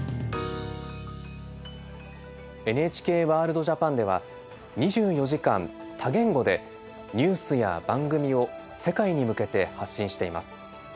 「ＮＨＫワールドＪＡＰＡＮ」では２４時間多言語でニュースや番組を世界に向けて発信しています。